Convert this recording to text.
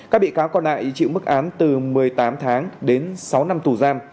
các bị cáo còn lại chịu mức án từ một mươi tám tháng đến sáu năm tù giam